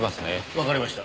わかりました。